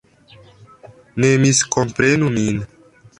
Ne miskomprenu min.